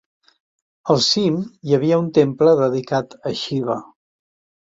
Al cim hi havia un temple dedicat a Xiva.